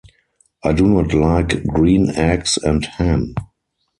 I do not like green eggs and ham.